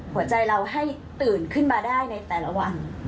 หัวใจเราให้ตื่นขึ้นมาได้ในแต่ละวัน